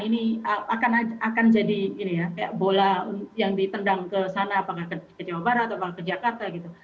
ini akan jadi bola yang ditendang ke sana apakah ke jawa barat atau ke jakarta